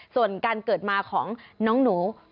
ส่วนการเกิดมาของน้องหนู